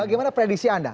bagaimana predisi anda